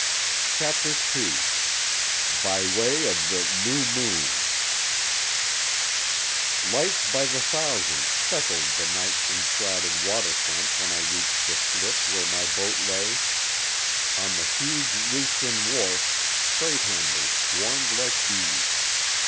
CHAPTER II—BY WAY OF THE "NEW MOON" Lights by the thousand speckled the night enshrouded water front when I reached the slip where my boat lay. On the huge roofed in wharf freight handlers swarmed like bees.